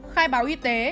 khai báo y tế